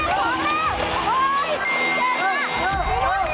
หินว่าหินว่า